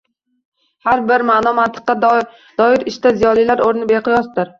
Har bir ma’no-mantiqqa doir ishda ziyolilarning o‘rni beqiyosdir.